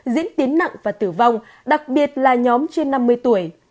diễn tiến nặng và tử vong đặc biệt là nhóm trên năm mươi tuổi